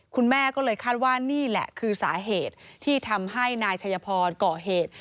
คุณแม่ก็เลยคาดว่านี่แหละคือสาเหตุที่ทำให้นายชัยพรก่อเหตุ